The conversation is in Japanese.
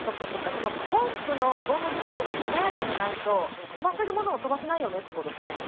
そのポンプのゴム自体がしなやかじゃないと飛ばせるものも飛ばせないよねってことですね？